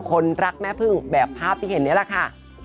คนรักแม่พึ่งแบบภาพที่เห็นนี่แหละค่ะ